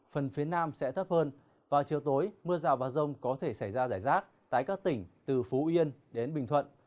phần phía nam sẽ thấp hơn và chiều tối mưa rào và rông có thể xảy ra rải rác tại các tỉnh từ phú yên đến bình thuận